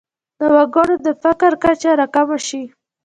د وګړو د فقر کچه راکمه شي.